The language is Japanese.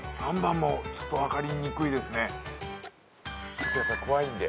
ちょっとやっぱり怖いんで。